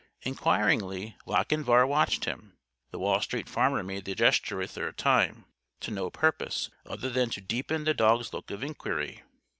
Inquiringly, Lochinvar watched him. The Wall Street Farmer made the gesture a third time to no purpose other than to deepen the dog's look of inquiry.